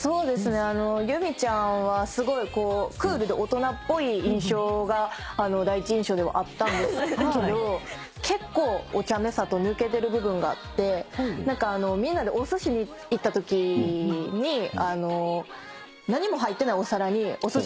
結海ちゃんはクールで大人っぽい印象が第一印象ではあったんですけど結構おちゃめさと抜けてる部分があってみんなでおすしに行ったときに何も入ってないお皿におすし